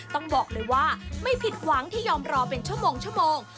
ต้องบอกเลยว่าไม่ผิดหวังที่ยอมรอเป็นชั่วโมง